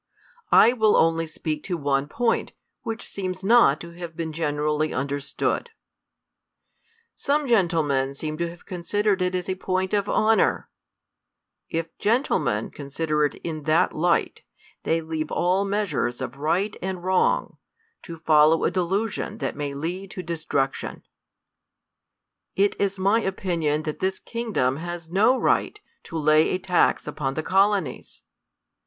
1 will only speak to one point, which seems not to have been generally understood. Some gentlemen seem to have considered it as a point of honor. If gen tlemen consider it in that light, they leave all measures of right and wrong, to follow a delusion that may lead to destruction. It is my opinion that this kingdom has no right to lay a tax upon the Colonies.